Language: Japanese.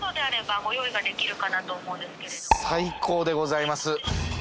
最高でございます。